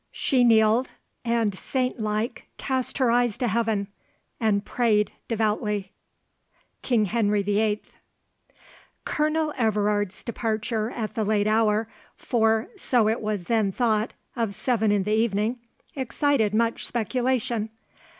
She kneeled, and saintlike Cast her eyes to heaven, and pray'd devoutly. KING HENRY VIII. Colonel Everard's departure at the late hour, for, so it was then thought, of seven in the evening, excited much speculation.